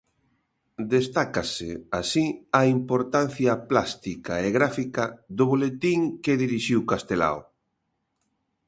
Destácase así a importancia, plástica e gráfica, do boletín que dirixiu Castelao.